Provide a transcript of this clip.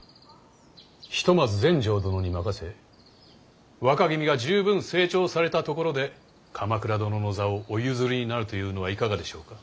ひとまず全成殿に任せ若君が十分成長されたところで鎌倉殿の座をお譲りになるというのはいかがでしょうか。